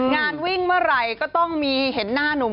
งานวิ่งเมื่อไหร่ก็ต้องมีเห็นหน้าหนุ่ม